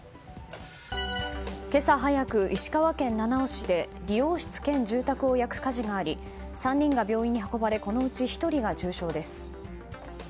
今朝早く、石川県七尾市で理容室兼住宅を焼く火事があり３人が病院に運ばれこのうち１人が重傷です。